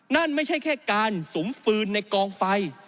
นั่นไม่ใช่แค่การสุมฟืนในกองไฟ